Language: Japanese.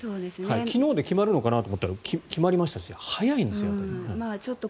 昨日で決まるのかなと思ったら決まりましたし早いんですよ、やっぱり。